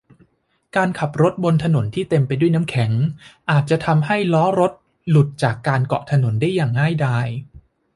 การขับรถบนถนนที่เต็มไปด้วยน้ำแข็งอาจจะทำให้ล้อรถหลุดจากการเกาะถนนได้อย่างง่ายดาย